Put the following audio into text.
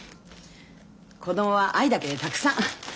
子どもは藍だけでたくさん。